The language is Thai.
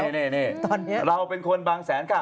เน้เราเป็นคนบางแสนค่ะ